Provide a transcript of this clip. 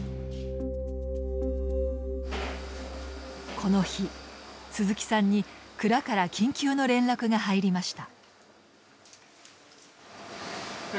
この日鈴木さんに蔵から緊急の連絡が入りました。